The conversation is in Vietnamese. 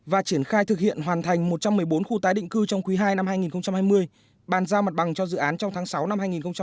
và triển khai thực hiện hoàn thành một trăm một mươi bốn khu tái định cư trong quý ii năm hai nghìn hai mươi bàn giao mặt bằng cho dự án trong tháng sáu năm hai nghìn hai mươi